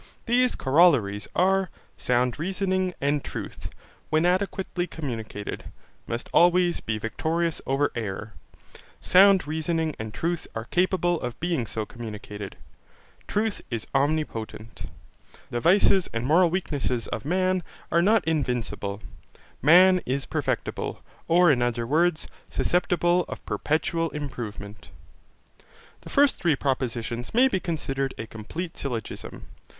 These corollaries are, "Sound reasoning and truth, when adequately communicated, must always be victorious over error: Sound reasoning and truth are capable of being so communicated: Truth is omnipotent: The vices and moral weakness of man are not invincible: Man is perfectible, or in other words, susceptible of perpetual improvement." The first three propositions may be considered a complete syllogism.